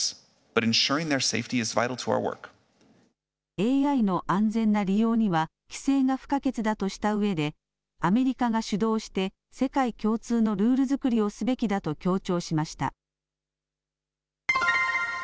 ＡＩの安全な利用には規制が不可欠だとしたうえでアメリカが主導して世界共通のルール作りをすべきだと強調しました。